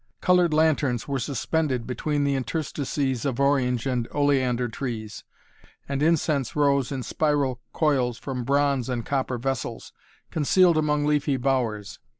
Colored lanterns were suspended between the interstices of orange and oleander trees; and incense rose in spiral coils from bronze and copper vessels, concealed among leafy bowers.